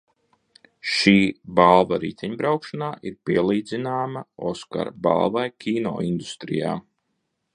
"Šī balva riteņbraukšanā ir pielīdzināma "Oskara" balvai kinoindustrijā."